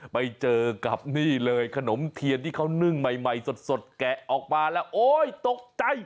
ไปเจอกับนี่เลยขนมเทียนที่เขานึ่งใหม่สดแกะออกมาแล้วโอ๊ยตกใจ